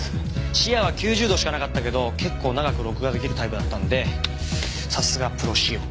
視野は９０度しかなかったけど結構長く録画出来るタイプだったんでさすがプロ仕様。